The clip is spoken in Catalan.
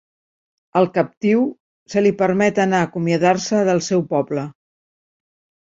Al captiu se li permet anar a acomiadar-se del seu poble.